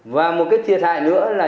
và một cái thiệt hại nữa là